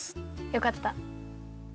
よかった。